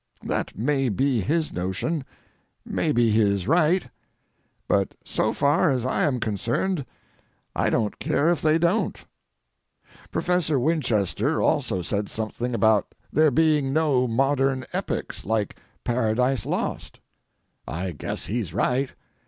That may be his notion. Maybe he is right; but so far as I am concerned, I don't care if they don't. Professor Winchester also said something about there being no modern epics like Paradise Lost. I guess he's right.